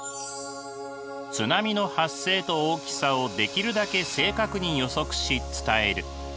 津波の発生と大きさをできるだけ正確に予測し伝える。